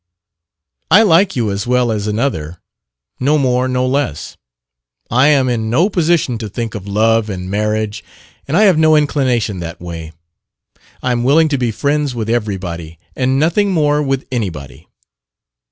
"I like you as well as another; no more, no less. I am in no position to think of love and marriage, and I have no inclination that way. I am willing to be friends with everybody, and nothing more with anybody."